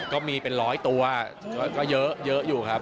ก็มีเป็น๑๐๐ตัวเยอะอยู่ครับ